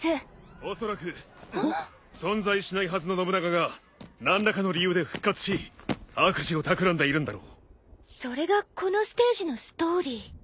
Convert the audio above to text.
・おそらく存在しないはずの信長が何らかの理由で復活し悪事をたくらんでいるんだろう。それがこのステージのストーリー。